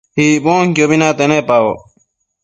Icbonquiobi nate nepaboc